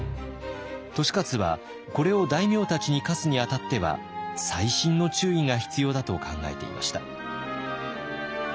利勝はこれを大名たちに課すにあたっては細心の注意が必要だと考えていました。